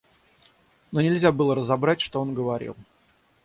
Но нельзя было разобрать, что он говорил.